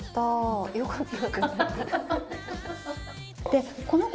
よかった。